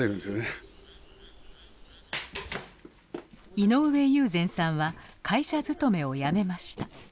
井上雄然さんは会社勤めを辞めました。